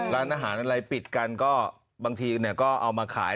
ร้านอาหารอะไรปิดกันก็บางทีก็เอามาขาย